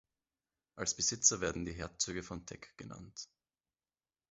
Als Besitzer werden die Herzöge von Teck genannt.